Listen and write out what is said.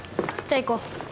じゃあ行こう。